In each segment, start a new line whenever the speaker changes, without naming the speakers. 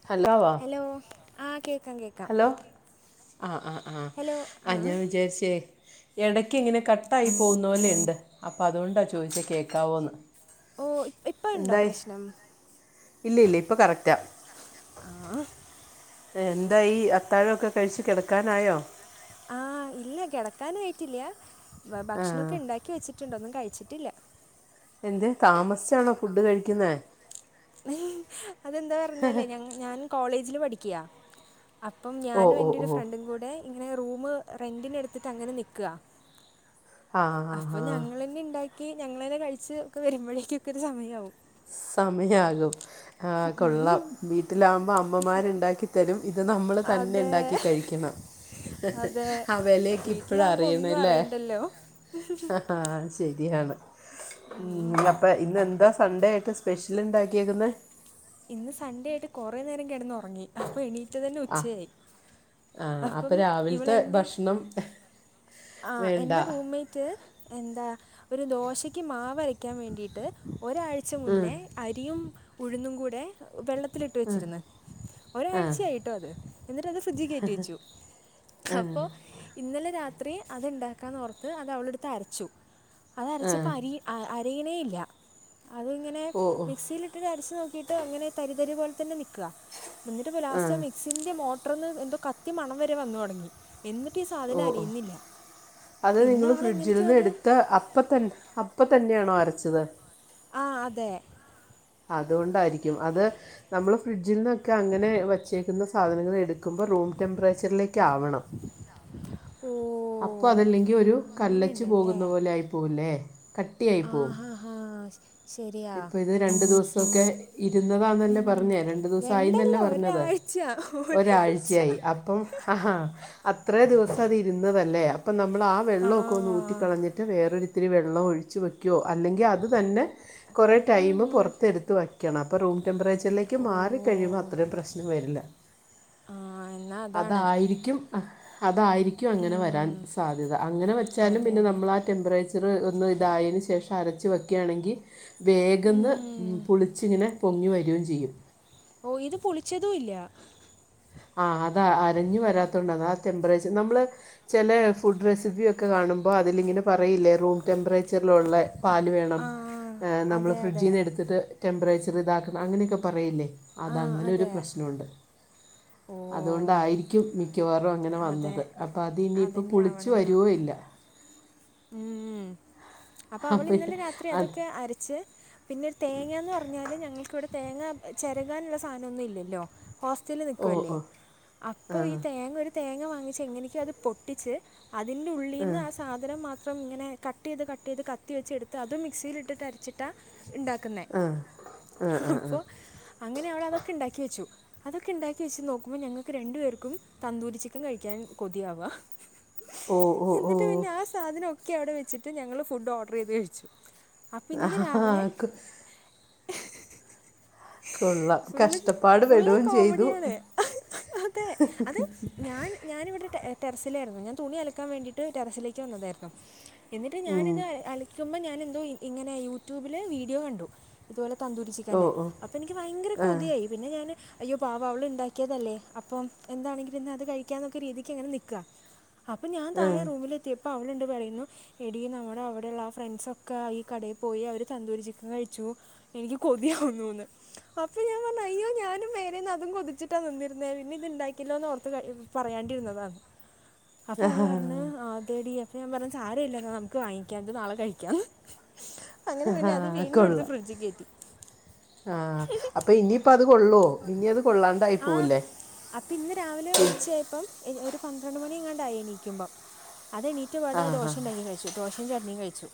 [inaudible]
Hello ആഹ് കേക്കാം കേക്
ഹലോ ആഹ് ആഹ് ആഹ്
ഹലോ ആ
ആഹ് ഞാൻ വിചാരിച്ചേ ഇടക്ക് ഇങ്ങനെ കട്ടായി പോകുന്നോലെണ്ട് അപ്പൊ അതുകൊണ്ടാ ചോദിച്ചേ കേൾക്കാവോന്ന്
ഓഹ് ഇപ്പ ഇണ്ടോ
എന്തായി
പ്രശ്നം
ഇല്ല ഇല്ല ഇപ്പ കറക്റ്റാ
ആഹ്
എന്തായി അത്താഴൊക്കെ കഴിച്ച് കെടക്കാനായോ?
ആഹ് ഇല്ല കെടക്കാനായിട്ടില്ല
ആ
ഭക്ഷണൊക്കെ ഉണ്ടാ ക്കി വച്ചിട്ടുണ്ട് ഒന്നും കഴിച്ചിട്ടില്ല
എന്ത്‌ താമസിച്ചാണോ ഫുഡ് കഴിക്കുന്നെ
അതെന്താ പർഞ്ഞാലേ ഞ ഞാൻ കോളേജില് പഠിക്ക്‌യാ അപ്പം
ഓ
ഞാനും
ഓ
എന്റെ ഒരു
ഓ
ഫ്രണ്ടും കൂടെ ഇങ്ങനെ റൂമ് റെന്റിന് എടുത്തിട്ട് അങ്ങനെ നിക്ക
ആ ആ
അപ്പൊ
ആ
ഞങ്ങള് തന്നെ ഇണ്ടാക്കി ഞങ്ങള് തന്നെ കഴിച്ച് ഒക്കെ വരുമ്പോഴേക്കൊക്കെ ഒരു സമയാവും.
സമയാകും ആഹ് കൊള്ളാം വീട്ടിലാകുമ്പോ അമ്മമാരുണ്ടാക്കി ത്തരും ഇത് നമ്മൾ തന്നെ
അതെ
ഇണ്ടാക്കി കഴിക്കണം
അതെ
ആ വെലയെക്കെ ഇപ്പഴാ
വീട്ടിലാകുമ്പോൾ ഒന്നും
അറിയണ്ല്ലേ
അറിയണ്ടല്ലോ
ആഹ് ശെരിയാണ് അപ്പം ഇന്ന് എന്താ സൺഡേ ആയിട്ട് സ്പെഷ്യൽ ഉണ്ടാക്കിയേക്കുന്നെ?
ഇന്ന് സൺഡേ ആയിട്ട് കൊറേ നേരം കെടന്ന് ഒറങ്ങി. അപ്പൊ എണീറ്റതന്നെ
ആ
ഉച്ചയായി അപ്പം ഇവള് എന്നെ
ണം
ആ എന്റെ റൂമേറ്റ് എന്താ ഒരു ദോശക്ക് മാവരക്കാൻ വേണ്ടിയിട്ട് ഒരാഴ്ച
ഉം
മുന്നേ അരിയും ഉഴുന്നും കൂടെ വെള്ളത്തിലിട്ട് വെച്ചിരുന്നു
ആ
ഒരാഴ്ചയായിട്ടോ അത് എന്നിട്ട് അത് ഫ്രിഡ്ജ് കേറ്റി വെച്ചു
ആ
അപ്പൊ ഇന്നലെ രാത് ത്രി അത്ണ്ടാക്കാന്ന് ഓർത്ത് അത് അവള് എട്ത്ത് അരച്ചു അത്
ആ
അരച്ചപ്പോ അരി അ അരയണേ ഇല്ല അത് ഇങ്ങനെ
ഓ ഓ
മിക്സിയിൽ ക്സിയിൽ അരച്ച് നോക്കിട്ട് അങ്ങനെ തരി തരി പോലെ തന്നെ നിക്ക എന്നിട്ട്പ്പൊ ലാസ്റ്റ് ആ മിക്സി തിന്റെ മോട്ട്ർ ഒന്ന് എന്തോ കത്തിയ മണം വരെ വന്നു തൊട്ങ്ങി എന്നിട്ടു ഈ
ഓ
സാധനം
ഓ
അരിയുന്നില്ല.
അത്
പിന്നെ
നിങ്ങൾ ഫ്രിഡ്ജിൽ
അവളെങ്ങനെയൊക്കെയോ
നിന്ന്
അത്
എടുത്ത അപ്പത്തന്ന അപ്പ തന്നെയാണോ അരച്ചത്?
ആഹ് അതെ
അതോണ്ടായിരിക്കും അത് നമ്മൾ ഫ്രിഡ്ജിൽ നിന്നൊക്കെ അങ്ങനെ വച്ചേക്കുന്ന സാധനങ്ങൾ എടുക്കുമ്പോൾ റൂം ടെമ്പറേച്ചറിലേക്ക് ആവണം.
ഓഹ്
അപ്പ അതല്ലെങ്കിൽ ഒരു കല്ലച്ച് പോകുന്ന പോലെ ആയിപ്പോകൂല്ലേ ക ട്ടിയയി
ആ
പോവും
ഹാ ഹാ ശരിയാ
ഇപ്പ ഇത് രണ്ടു ദിവസൊക്കെ ഇരുന്നതാന്നല്ലേ
ഉം.
പർഞ്ഞേ രണ്ടു ദിവസം
രണ്ടല്ല
ആയിന്നല്ലേ പർഞ്ഞത്
ഒരാഴ്ച ഒരാഴ്ച
ഒരാഴ്ചയായി അപ്പം ഹഹാ അത്രേ ദിവസം അത് ഇരുന്നതല്ലേ അപ്പം നമ്മൾ ആ വെള്ളവൊക്കെ ഒന്ന് ഊറ്റിക്കളഞ്ഞിട്ട് വേറൊരു ഇത്തിരി വെള്ളം ഒഴിച്ച് വെ ക്കൊ അല്ലെങ്കിൽ അത് തന്നെ കൊറേ
ഉം,
ടൈം
ഉം.
പൊർത്തെടുത്തു വെക്കണം അപ്പൊ റൂം ടെംപറേചർ ചിലേക്ക്
ഓ
മാറിക്കഴിയുമ്പോൾ അത്രയും പ്രശ്നം വരില്ല.
ആ എന്നാ അതാണ്
അതായിരിക്കും അതായിരിക്കും അങ്ങനെ വരാൻ
ഉം.
സാധ്യത അങ്ങനെ വെച്ചാലും
അതെ
പിന്നെ
അതെ
നമ്മളാ ടെമ്പറേച്ചറ് ഒന്ന് ഇതായതിന് ശേഷം അരച്ച് വെക്കാണെങ്കി വേഗന്ന്
ഉം.
പുളിച്ചിങ്ങനെ പൊങ്ങി വരികയും ചെയ്യും.
ഓഹ് ഇത് പുളിച്ചതും ഇല്ല.
ആഹ് അതാ അരഞ്ഞു വരാത്തോണ്ട് ആ ടെമ്പറേച്ചർ നമ്മൾ ചില ഫുഡ് റെസിപ്പിയ ഒക്കെ കാണുമ്പോൾ അതിലിങ്ങനെ പറയില്ലേ റൂം ടെമ്പറേ ച്ചറിലുള്ള പാല് വേണം
ആ
നമ്മൾ
അതെ
ഫ്രിഡ്ജിൽ
അതെ
നിന്ന് എടുത്തിട്ട് ടെമ്പറേച്ചർ ഇതാക്കണം അങ്ങനെയൊക്കെ പറയില്ലെ അത
ആ
അങ്ങനൊരു
അതെ
പ്രശ്ന ഉണ്ട്.
ഓ
അതുകൊണ്ടായിരിക്കും മിക്കവാറും അങ്ങന
അതെ
വന്നത് അപ്പ അതി ഇനിയിപ്പൊ
അതന്നെ
പുളിച്ച് വരോ ഇല്ല
ഉം അപ്പൊ അവൾ
അപ്പം
ഇന്നലെ രാത്രി
അത്
അതൊക്കെ അരച്ച് പിന്നെ ഒരു തേങ്ങാന്ന് പറഞ്ഞാല് ഞങ്ങൾ‌ക്കിവിടെ തേങ്ങ ചെരകാനുള്ള സാധനം ഒന്നും ഇല്ലല്ലോ ഹോസ്റ്റൽല്
ഓ
നിക്കുവല്ലെ
ഓ ആ
അപ്പൊ ഈ തേങ്ങ ഒരു തേങ്ങ വാങ്ങിച് എങ്ങനയൊക്കൊ അത് പൊട്ടിച്ച് അതിന്റെ ഉള്ളീന്ന് ആ സാധനം മാ ത്രം ഇങ്ങനെ കട്ടീത് കട്ടീത് കത്തി വെച്ച് എടുത്ത് അതും മിക്സിയിലിട്ടിട്ട് അരച്ചിട്ട ഇണ്ടാ ക്ക്ന്നെ
ആ ആ ആ ആ
അപ്പൊ അങ്ങനെ അവളതൊക്കെ ഇണ്ടാക്കി വെച്ചു. അതൊക്കെ ഇണ്ടാക്കി വെച്ച് നോക്കുമ്പൊ ഞങ്ങക്ക് രണ്ടു പേർക്കും തന്തൂരി ചിക്കൻ കഴിക്കാൻ കൊതിയാവ
ഓ ഓ ഓ
എന്നിട്ട് പിന്നെ ആ സാധനം ഒക്കെ അവിടെ വച്ചിട്ട് ഞങ്ങള് ഫുഡ് ഓഡ്രീത് കഴിച്ചു. അപ്പൊ
ആ
ഇന്ന് രാവിലെ
കൊ- കൊള്ളാം
ഫുള്ള്
കഷ്ടപ്പാട്
ഫുള്ള്
പെടുകയും ചെയ്തു
കോമഡിയാണ് അതെ അതെ ഞാൻ ഞാനിവിടെ ടെ ടെറസിലായിരുന്നു ഞാൻ തുണി അലക്കാൻ വേണ്ടിട്ട് ടെറസിലേക്ക് വന്നതായിരുന്നു. എന്നിട്ട്
ഉം.
ഞാനിത് അലയ്ക്കുമ്പൊ ഞാനെന്തൊ ഇങ്ങനെ യൂട്യൂബില് വീഡിയോ കണ്ടു ഇതുപോലെ തന്തൂരി
ഓ
ചിക്കന്റെ
ഓ
അപ്പൊ എനിക്ക് ഭയങ്കര
ആ
കൊതിയായി പിന്നെ ഞാന് അയ്യോ പാവ അവള് ഇണ്ടാക്കിയതല്ലെ അപ്പം എന്താണെങ്കിലും ഇന്ന് അത് കഴിക്കാന്നൊക്ക രീതിക്ക് ഇങ്ങനെ നിക്ക അപ്പൊ ഞാൻ
ആ
താഴെ റൂമിലെത്തിയപ്പൊ അവളുണ്ട് പറയുന്നു എടി നമ്മടെ അവിടെ ഇള്ള ആഹ് ഫ്രൺസൊക്ക ഈ കടയി പോയി അവര് തന്തൂരി ചിക്കൻ കഴിച്ചു എനിക്ക് കൊതിയാവുന്നൂന്ന് അപ്പൊ ഞാൻ പർഞ്ഞു അയ്യോ ഞാനും മേലേന്ന് അതും കൊതിച്ചിട്ടാ നിന്നിര്ന്നെ പിന്നെ ഇത് ഇണ്ടാക്ക്യല്ലോന്ന് ഓർത്ത് കയി ഉം. പറയാണ്ടിര്ന്നതാണ്. അപ്പൊ
ആ,
അവള് പർണ് ആഹ് തേടി അപ്പ ഞാൻ പർഞ് സാരല്ല ന്നമുക്ക് വാങ്ങിക്കാം ഇത് നാളെ കഴിക്കാന്ന്. അങ്ങെനെ പിന്നെ അത് വീണ്ടും ഇട്ത്ത് ഫ്രിഡ്ജി കേറ്റി.
ആഹ് അപ്പൊ ഇനിയിപ്പത് കൊള്ളോ ഇഞിഅത് കൊള്ളാണ്ടായി പോവില്ലെ?
അപ്പ ഇന്ന് രാവിലെ ഉച്ചായെപ്പം ഒര് പന്ത്രണ്ട് മണിയെങ്ങാണ്ടായി എണീക്കുമ്പം അതെണീ റ്റപാട്
ആ ആ
ദോശ ഇണ്ടാക്കി കഴ്‌ച്ചു ദോഷിം ചട്ട്ണിം കഴ്‌ച്ചു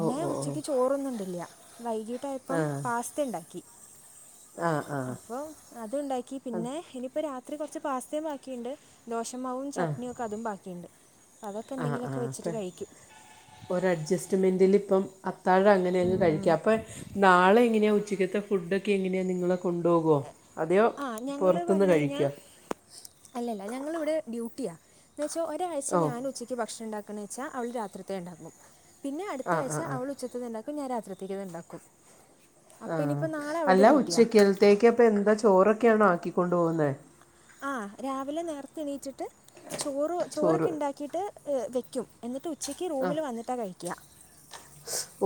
ഓ ഓ ഓ
ഉചക്ക് ചോ ർന്ന് ഉണ്ടില്ല വൈകീട്ടായപ്പം
ആ
പാസ്ത്യണ്ടാക്കി.
ആ ആ
അപ്പൊ അതുണ്ടാക്കി പിന്നെ ഇനിപ്പൊ രാത്രി കൊർച്ച് പാസ്തെം ബാക്കിണ്ട്. ദോഷമാവും
ആ
ചട്നിയും ഒക്കെ അതും ബാക്കിയിണ്ട് അതൊക്ക എന്തെങ്കിലൊക്ക വച്ചിട്ട് കഴിക്കും.
ഒരഅഡ്ജസ്റ്റ്മെന്റില് ഇപ്പം അത്താഴം അങ്ങനെ അങ്ങ് കഴിക്ക അപ്പെ നാളെ എങ്ങെനെയാ ഉചകത്തെ ഫുഡൊക്കെ എങ്ങെനെയാ നിങ്ങള് കൊണ്ടോകൊ അതെയോ
ആ ഞങ്ങൾ
പൊർത്ത്ന്ന്
പറഞ്ഞു കഴിഞ്ഞാൽ
കഴിക്കൊ?
അല്ലല്ല ഞങ്ങൾ ഇവ്ടെ ഡ്യൂട്ടിയാ എന്ന് വെച്ചാ ഒരാഴ്ച
ഓ
ഞാൻ ഉചക്ക് ഭക്ഷണം ഇണ്ടാക്ണെ ച്ച അവൾ രാത്രിതെ ഇണ്ടാക്കും പിന്നെ അടുത്ത
ആ
ആഴ്ച്ച
ആ ആ
അവൾ ഉചത്തത് ഇണ്ടാക്കും ഞാൻ രാത്രിത്തേക്ക് ഇണ്ടാക്കും.
ആഹ് അല്ല
ഡ്യൂട്ടിയാണ്
ഉചക്കൽത്തേക്ക് അപ്പ എന്ത ചോറൊക്ക്യാണൊ ആക്കിക്കൊണ്ടോവ്ന്നെ?
ആഹ് രാവിലെ നേർത്തെ എണീറ്റിട്ട് ചോറ് ചോറൊക്ക
ചോറ്
ഇണ്ടാക്കീട്ട് വെക്കും. എന്നിട്ട് ഉചയ്ക്ക് റൂമില് വന്നിട്ട കഴിക്ക.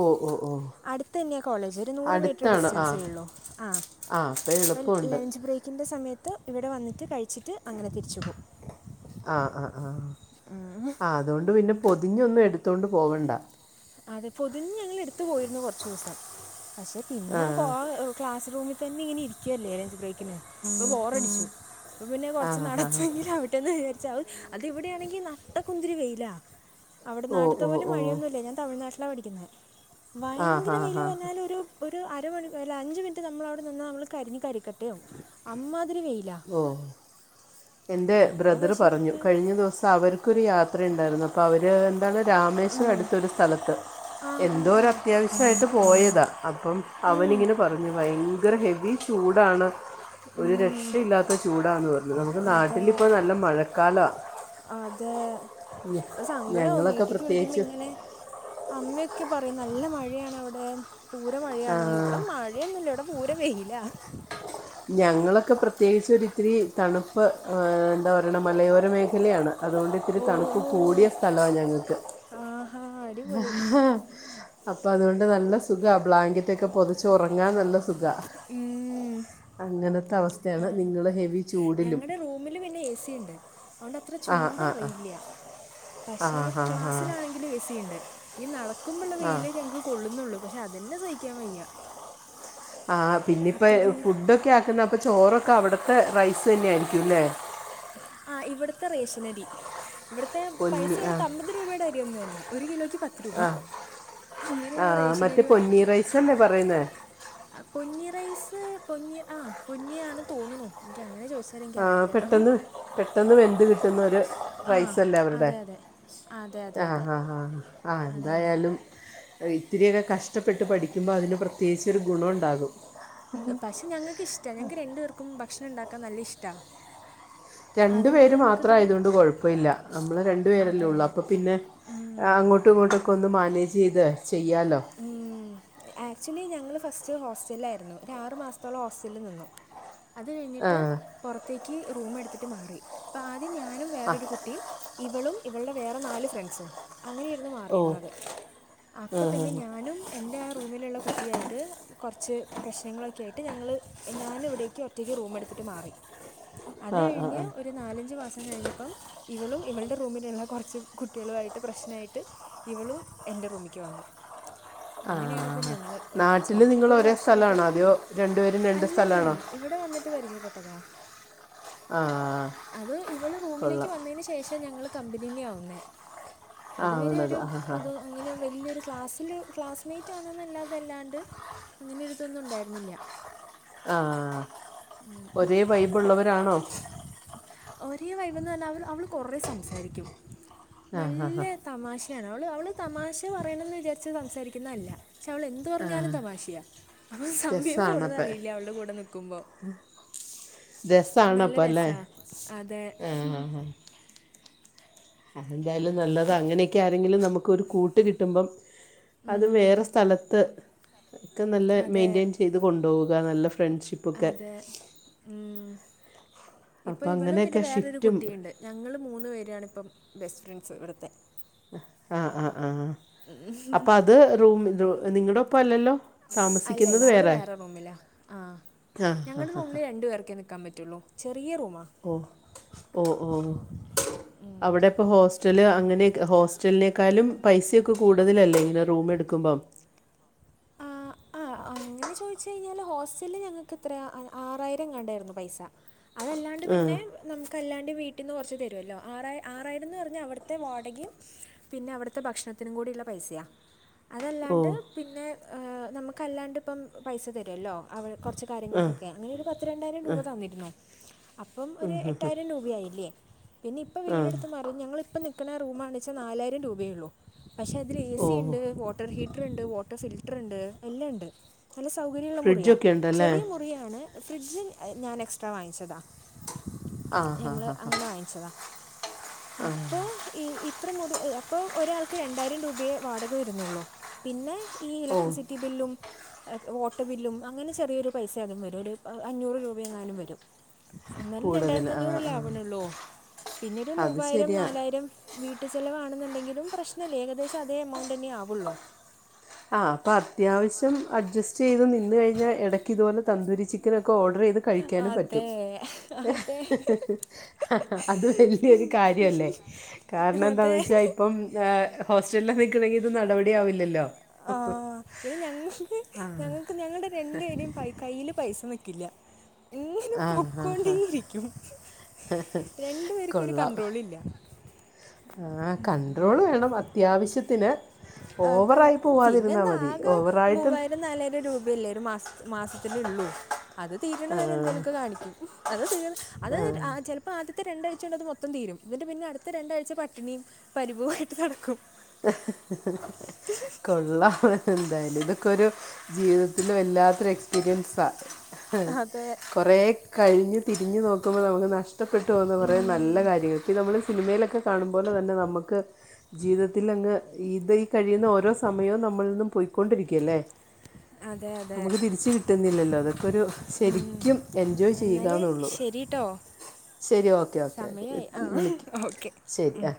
ഓഹ്, ഓഹ്, ഓഹ്
അട്ത്തെന്നെയാ കോളേജ് ഒരു നൂറ് മീറ്റ്ര്
ആ
ഡിസ്റ്റൻസേ ഉള്ളു ആഹ്
ആ അപ്പം
അപ്പ
എളുപ്പമുണ്ട്
ലഞ്ച് ബ്രേക്കിന്റെ സമയത്ത് ഇവിടെ വന്നിട്ട് കഴിച്ചിട്ട് അങ്ങനെ തിരിച്ചുപോവ്
ആഹ്, ആഹ്, ആഹ് അതോണ്ട് പിന്നെ പൊതിഞ്ഞൊന്നും എടുത്തോണ്ട് പോവണ്ട.
അതെ പൊതിഞ് ഞങ്ങള് എടുത്തു പോയിരുന്നു കൊർചൂസം പക്ഷെ
ആ
പിന്നെ കോഹ് ക്ലാസ് റൂമിതെന്നെ ഇങ്ങനെ ഇരിക്കുവല്ലെ ലഞ്ച് ബ്രെയ്ക്കിന് അപ്പൊ ബോറടിച്ചു അപ്പപിന്നെ
ആ
കൊർച്ച്
ഹാ
നടത്തവെങ്കിലും ആവ ട്ടെന്ന് വിചാരിച്ച് അത് എവിടെയാണെങ്കി നട്ടക്കുന്തിര വെയില. ഔടെ
ഓ
ന്നാട്ട്ത്തെ
ഓ
പോലെ
ഓ
മഴയൊന്നുല്ല ഞാൻ തമിഴ്നാട്ടിലാണ് പഠിക്കുന്നെ
ആ ഹാ
ഭയങ്കെരെ വെയ്ല്
ഹാ
പറഞ്ഞാൽഒരു ഒരു അരമണി അല്ല അഞ്ചു മിനിറ്റ് ന്നമ്മൾ അവിടെ നിന്നാ ന്നമ്മൾ കരിഞ് കരിക്കട്ടെവും അമ്മാതിരി വെയ്
ഓഹ് എൻ്റെ
അപ്പോൾ
ബ്രദറ്
പക്ഷേ
പർഞ്ഞു
പിന്നെ
കഴ്‌ഞ്ഞ ദിവസം അവർക്കൊരു യാത്രഇണ്ടായിര്ന്നു അപ്പൊ അവര് അതാണ്
ആ
രാമേശ്വരം അടുത്തൊരു സ്ഥലത്ത്
ആ ഹാ
എന്തോ ഒരു
ഹാ
അത്യാവശ്യമായിട്ട് പോയെതാ. അപ്പം
ഉം,
അവനിങ്ങെനെ പർഞ്ഞു ഭയങ്കെരെ ഹെവി ചൂടാണ്. ഒര്
ഉം,
രക്ഷയില്ലാത്ത ചൂടാന്ന് പർഞ്ഞു ന്നമ്മക്ക് നാട്ടിലിപ്പൊ ന്നല്ലെ മഴക്കാല.
അതെ ഇപ്പസങ്കടാവും
ഞങ്ങളൊക്കെ
വീട്ടീക്ക് വിളിക്കുമ്പോ
പ്രത്യേകിച്ച്
ഇങ്ങെനെ അമ്മയൊക്കെ പറയും ന്നല്ലെ മഴേണ് അവിടെ
ആ,
പൂരമഴയാണെന്ന് ഇവടെമഴേ യൊന്നുല്ല ഇവടെ പൂരെ വെയില.
ഞങ്ങളൊക്കെ പ്രത്യേകിച്ച് ഒര് ഇത്തിരി തണുപ്പ് എന്താ പറയ്ണ് മലയോര മേഖലയാണ്. അത് കൊണ്ട് ഇത്തിരി
ഓ
തണുപ്പ്
ഓ
കൂടിയ സ്ഥലാ ഞങ്ങക്ക്
ആഹാ അടിപൊളി
അപ്പൊ അതുകൊണ്ട് ന്നല്ലെ സുഖാ ബ്ലാങ്കെറ്റ് ഒക്കെ പൊതച്ച് ഒറങ്ങാൻ ന്നല്ലെ സുഖാ.
ഉം
അങ്ങൻത്തെ അവസതെയാണ് നിങ്ങള് ഹെവി ചൂടിലും.
റൂമില് പിന്നെ എ സിണ്ട്. അതോണ്ട്അത്ര
ആ ആ ആ
ചൂടറിയില്ല
ആ
പക്ഷെ
ആ ആ
ക്ലാസ്സിലാണെങ്കിലും എ സിണ്ട്. ഈ നടക്കുമ്പോ ഇള്ളെ
ആ
വെയിലെ ഞങ്ങക്ക് കൊള്ളുന്നൊള്ളൂ പക്ഷെ അതെന്നെ സഹിക്കാൻ വയ്യ.
ആഹ് പിന്നിപ്പെ
അത്രയ്ക്ക്
ഫുഡൊക്കെ ആക്കുന്നെ അപ്പൊ ചോറൊക്കെ അവിടുത്തെ റൈസ് തന്നെയായിരിക്കുംലേ?
ആഹ് ഇവട്ത്തെ റേഷെനരി ഇവട്ത്തെ പൈസ
പൊന്നി ആ
കൊട്ത് അമ്പത് രൂപയുടെ അരിഒന്നുഅല്ല ഒര് കിലോക്ക് പത് ത്ത് രൂപ
ആ ആ
അങ്ങെനെയുള്ള
മറ്റേ
റേഷെനരി
പൊന്നി
വാങ്ങിക്കും.
റൈസ് അല്ലേ പറയുന്നത്
അപൊന്നി റൈസ് പൊന്നി ആഹ പൊന്നിയാണ് തോന്ന്ണു എനിക്കങ്ങെനെ ചോയ്ച്ച
ആഹ പെട്ടെന്ന് പെട്ടെന്ന് വെന്ത്‌ കിട്ടുന്നൊരു
ആ
റൈസല്ലേ അവരുടെ
അതെ അതെ അതെ അതെ
ആഹ
അതെ
ആഹ ആഹാ ആഹ
അത് തന്നെ
എന്തായാലും ഇത്തിരിയൊക്കെ കഷ്ടപ്പെട്ട് പഠിക്കുമ്പോ അതിന് പ്രത്യേകിച്ചൊരു ഗുണം ണ്ടാകും.
പക്ഷെ ഞങ്ങൾക്ക് ഇഷ്ടാ ഞങ്ങക്ക് രണ്ടു പേർക്കും ഭക്ഷണം ണ്ടാക്കാൻ നല്ല ഇഷ്ടാ.
രണ്ടു പേര് മാത്രായതോണ്ട് കൊഴപ്പല്ല നമ്മൾ രണ്ടു പേരല്ലേ
അതെ
ഒള്ളൂ അപ്പം പിന്നെ
ഉം.
അങ്ങോട്ട് ട്ടും ഇങ്ങോട്ടുമൊക്കെ മാനേജ് ചെയ്ത് ചെയ്യാലോ,
ആക്ച്വലി ഞങ്ങൾ ഫസ്റ്റ് ഹോസ്റ്റല്ലായിരുന്നു ഒരു ആറു മാസത്തോളം ഹോസ്റ്റലിൽ നിന്നു. അത്
ആ
കഴിഞ്ഞിട്ട് പുറത്തേക്ക് റൂമെടുത്തിട്ട് മാറി അപ്പം ആദ്യം ഞാനും
ആ
വേറൊരു കുട്ടിയും ഇവളും ഇവളുടെ വേറെ നാല് ഫ്രണ്ട്സും അങ്ങനെയായിരുന്നു
ഓ
മാറിയിരുന്നത്
ആ
പിന്നെ ഞാനും എൻ്റെ ആഹ റൂമിലുള്ള കുട്ടിയായിട്ട്, കുറച്ച് പ്രശ്നങ്ങളൊക്കെ ആയിട്ട് ഞങ്ങൾ ഞാനിവിടേക്ക് ഒറ്റയ്ക്ക് റൂം എടുത്തിട്ട് മാറി. അത്
ആ ആ
കഴിഞ്ഞ്
ആ
ഒര ഒരു നാലഞ്ചു മാസം കഴിഞ്ഞപ്പം ഇവളും ഇവളുടെ റൂമിലുള്ള കുറച്ച് കുട്ടികളുമായിട്ട് പ്രശ്നായിട്ട് ഇവളും എൻ്റെ റൂമിക്ക് വന്നു.
ആ
അങ്ങനെയാണ് ഇപ്പോ ഞങ്ങള്
നാട്ടിൽ
ഒരുമിച്ചായത്
നിങ്ങൾ
ഇപ്പൊ ഒരു
ഒരേ
വർഷമായിട്ട്
സ്ഥലമാണോ അതെയോ രണ്ടുപേരും രണ്ട്
അല്ലല്ല,
സ്ഥലമാണോ
ഇവിടെ വന്നിട്ട് പരിചയപ്പെട്ടതാ
ആ
അത് ഇവള് റൂമിലേക്ക്
കൊള്ളാം
വന്നതിന് ശേഷ ഞങ്ങള് കമ്പനിയന്നെ ആവുന്നേ,
ആ
അതുവരെ
ആണത്
ഒരു
ആ ആ
അങ്ങനെ വല്ല്യൊരു ക്ലാസ് അതില് ക്ലാസ്മേറ്റ് ആണെന്നല്ലാതല്ലാണ്ട് അങ്ങനെ ഒരുത്തൊന്നും ഉണ്ടായിരുന്നില്ല.
ആഹ ഒരേ വൈബുള്ളവരാണോ?
ഒരേ വൈബന്ന് പറഞ്ഞാ അവള് അവള് കൊറേ സംസാരിക്കും
ആ ആ
നല്ല
ആ
തമാശയാണ് അവള് അവള് തമാശ പറയണന്ന് വിചാരിച്ച് സംസാരിക്കുന്നല്ല. പക്ഷേ അവൾ എന്ത്
ആ
പറഞ്ഞാലും തമാശയാ അപ്പ സമയം പോണത്
രസമാണപ്പം
അറിയില്ല അവൾടെ കൂടെ നിക്കുമ്പോ നല്ല
രസമാണപ്പം അല്ലേ
രസാ അതെ
ആ ആ ആ അതെന്തായാലും നല്ലതാ അങ്ങനെയൊക്കെ ആരെങ്കിലും നമുക്കൊരു കൂട്ട് കിട്ടുമ്പം അതും
ഉം,
വേറെ സ്ഥലത്ത് ഒക്കെ നല്ല
അതെ
മെയിന്റെയിൻ ചെയ്ത് കൊണ്ടോവുക നല്ല ഫ്രണ്ട്ഷിപ്പൊക്കെ
മ്മ് ഇപ്പൊ
അപ്പം
ഇവളും പിന്നെ
അങ്ങനെയൊക്കെ
വേറൊരു
ഷിഫ്റ്റും
കുട്ടിയിണ്ട്. ഞങ്ങള് മൂന്ന് പേരാണിപ്പം ബെസ്റ്റ് ഫ്രണ്ട്സ് ഇവിടത്തെ
ആ ആഹ് ആ ആഹ് അപ്പ അത് റൂം നിങ്ങടെ ഒപ്പം അല്ലല്ലോ?
അല്ല അല്ല അവൾ വേറെ റൂമില ആ
ആ ആ
ഞങ്ങടെ റൂമില് രണ്ടു പേർക്കേ നിക്കാൻ പറ്റുള്ളൂ. ചെറിയ റൂമാ
ഓഹ് ഓഹ് ഓഹ് ഓഹ് അവിടെ ഇപ്പോ ഹോസ്റ്റല് അങ്ങനെ ഹോസ്റ്റലിനെക്കാളും പൈസ ഒക്കെ കൂടുതലല്ലേ ഇങ്ങനെ റൂമെ ടുക്കുമ്പം
ആ
[unintelligible]
ആ അങ്ങനെ ചോദിച്ച് കഴിഞ്ഞാല് ഹോസ്റ്റലി ഞങ്ങക്ക് എത്ര ആറായിരം എങ്ങാണ്ടായിരുന്നു പൈസ അതല്ലാണ്ട്
ആ
പിന്നെ നമുക്കല്ലാണ്ട് വീട്ടിന്ന് കൊറച്ച് തരുവല്ലോ ആറായി ആറായിരം എന്ന് പറഞ്ഞാൽ അവിടുത്തെ വാടകിം പിന്നെ അവിടുത്തെ ഭക്ഷണത്തിനും കൂടിയുള്ള പൈസയാ
ഓ
അതല്ലാണ്ട് പിന്നെ നമുക്കല്ലാണ്ട് ഇപ്പം പൈസ തരുവല്ലോ അവ കൊറച്ച്
ആ
കാര്യങ്ങൾക്കൊക്കെ അങ്ങനെ ഒരു പത്ത് രണ്ടായിരം
ആ ആ
രൂപ തന്നിരുന്നു അപ്പം ഒരു
ആ
എട്ടായിരം രൂപയായില്ലേ പിന്നെ ഇപ്പ
ആ
വീടെടുത്ത് മാ ഞങ്ങിപ്പം നിക്ക്ണ റൂമാണെച്ചാൽ നാലായിരം രൂപയൊള്ളൂ പക്ഷേ അതിൽ എ
ആ
സി
ഓ
ഇണ്ട് വ വാട്ടർ ഹീറ്ററുണ്ട് വട്ടർ ഫിൽറ്ററുണ്ട് എല്ലണ്ട് നല്ല സൗകര്യള്ള മുറിയാ
ഫ്രിഡ്ജൊക്കെ ഉണ്ടല്ലേ
ചെറിയ മുറി യാണ് ഫ്രിഡ്ജ് ഞാൻ എക്സ്ട്രാ വാങ്ങിച്ചതാ
ആ ഹാ
ഞങ്ങള്
ഹാ ഹാ
അങ്ങനെ വാങ്ങിച്ചതാ അപ്പോ ഈ ഇത്ര മുറി അപ്പോ ഒരാൾക്ക് രണ്ടായിരം രൂപയെ വാടക വരുന്നുള്ളൂ പിന്നെ ഇ
ഓ
ലക്ട്രി സിറ്റി ബില്ലും വാട്ടർ ബില്ലും അങ്ങനെ ചെറിയൊരു പൈസ അതും വരും ഒരു അഞ്ഞൂറ് രൂപയെങ്ങാനും വരും എന്നാലും
കൂടുതൽ
രണ്ടായിരത്തി
ആ
അഞ്ഞൂറല്ലേ
ആ
ആവണൊള്ളൂ പിന്നെരു
അത്
മൂവായിരം
ശരിയാ
നാലായിരം വീട്ടു ചെലവാണെന്നണ്ടെങ്കിലും പ്രശ്നല്ലേ ഏകദേശം അതേ എമൗണ്ട് തന്നെ ആവൊള്ളൂ
ആ അപ്പ അത്യാവശ്യം അഡ്ജസ്റ്റ് ചെയ്തു നിന്ന് കഴിഞ്ഞാൽ എടയ്ക്ക് ഇതുപോലെ തന്തൂരി ചിക്കനൊക്കെ ഓർഡർ ചെയ്ത് കഴിക്കാനും പറ്റും
അതെ അതെ
അത് വല്യൊരു കാര്യല്ലേ കാരണം എന്താന്ന്
അതെ
വെച്ചാൽ ഇപ്പം ഹോസ്റ്റലിലാ നിക്കുന്നെങ്കി ഇത് നടപടി ആവില്ലല്ലോ
ആഹ് ഇവിടെ ഞങ്ങ ഞങ്ങക്ക് ഞങ്ങളുടെ രണ്ടു പേരുടെയും പൈ കയ്യില് പൈസ നിക്കില്ല ഇങ്ങനെ
ആ ഹാ ഹാ
പൊക്കോണ്ടേയിരിക്കും രണ്ടു പേർക്കും ഒരു കണ്ട്രോളില്ല
ആഹ് കൺ്രോള് വേണം അത്യാവിശ്യത്തിന്
അതെ പിന്നെന്താ ആകെ
ഓവറായിട്ട്
മൂവായിരം നാലായിരം രൂപയല്ലേ ഒരു മാസ മാസത്തിന് ഉള്ളു അത്
ആ
തീരണവരെ എന്തെലൊക്കെ കാണിക്കും അത് തീ അത്
ആ
ചെല പ്പൊ ആദ്യത്തെ രണ്ടാഴ്ച്ച കൊണ്ട് അത് മൊത്തം തീരും ഇന്നട്ട് പിന്നെ അടുത്ത രണ്ടാഴ്ച പട്ടിണിയും പരിഭവായിട്ട് നടക്കും
കൊള്ളാം എന്തായാലും ഇതൊക്കെ ഒരു ജീവിതത്തിൽ വല്ലാത്തൊരു എക്സ്പീരിയൻസാ
അതെ
കൊറേ കഴിഞ്ഞ് തിരിഞ്ഞ് നോക്കുമ്പോ നമുക്ക് നഷ്ടപ്പെട്ടു പോകുന്ന കൊറേ നല്ല
ഉം,
കാര്യങ്ങൾ ഇപ്പൊ നമ്മള് സിനിമയിലൊക്കെ കാണുമ്പോലെ തന്നെ നമുക്ക് ജീവിത ഇത് ഈ കഴിയുന്ന ഓരോ സമയവും നമ്മള് നിന്നും പോയ്ക്കൊണ്ടിരിക്കല്ലേ
അതെ അതെ
നമുക്ക് തിരിച്ച് കിട്ടുന്നില്ലല്ലോ അതൊക്കെരു ശരിക്കും എൻജോയ് ചെയ്യുകന്നുള്ളു.
ട്ടോ സമയായി ആഹ്
വിളിക്ക്
ഓക്കെ
ശരി
ഉം.
ആ